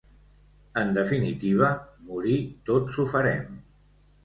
En definitiva, morir tots ho farem.